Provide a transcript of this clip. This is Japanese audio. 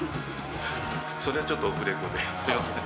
それはちょっとオフレコで、すみません。